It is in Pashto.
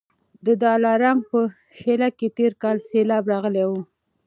د دلارام په شېله کي تېر کال سېلاب راغلی و